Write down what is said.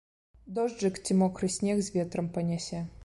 Дожджык ці мокры снег з ветрам панясе.